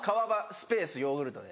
スペース「ヨーグルト」で。